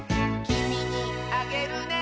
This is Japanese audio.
「きみにあげるね」